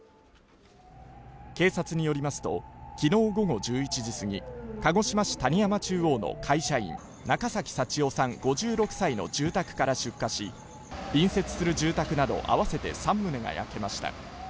警察によりますと、昨日午後１１時すぎ鹿児島市谷山中央の会社員、中崎幸男さん５６歳の住宅から出火し隣接する住宅など合わせて３棟が焼けました。